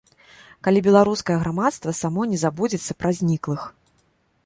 Калі беларускае грамадства само не забудзецца пра зніклых.